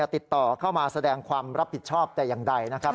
ติดต่อเข้ามาแสดงความรับผิดชอบแต่อย่างใดนะครับ